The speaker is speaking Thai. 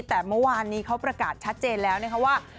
แต่เมื่อวานนี้เขาประกาศชัดเจนแล้วนะคะว่า